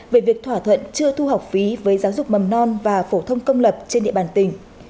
về việc thỏa thuận chưa thu học phí với giáo dục mầm non và phổ thông công lập trên địa bàn tỉnh